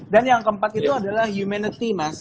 dan yang keempat itu adalah humanity mas